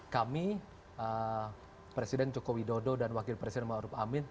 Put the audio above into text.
kami presiden jokowi dodo dan wakil presiden ma'ruf amin